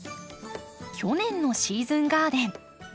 去年のシーズンガーデン。